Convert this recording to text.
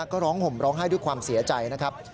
ก็ร้องห่มร้องไห้ด้วยความเสียใจนะครับ